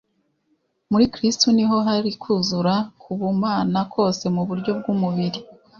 Muri Kristo “ni ho hari kuzura k’Ubumana kose mu buryo bw’umubiri